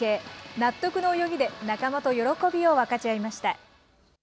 納得の泳ぎで、仲間と喜びを分かち合いました。